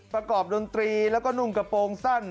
ประกอบดนตรีแล้วก็นุ่งกระโปรงสั้น